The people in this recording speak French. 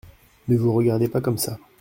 Ne vous regardez pas comme ça.